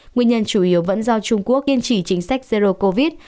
nguyên nhân chủ yếu vẫn do trung quốc kiên trì chính sách zero covid